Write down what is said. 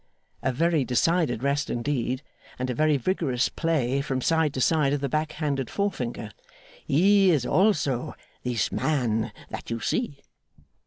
a very decided rest indeed, and a very vigorous play from side to side of the back handed forefinger 'he is also this man that you see.